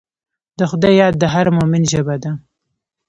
د خدای یاد د هر مؤمن ژبه ده.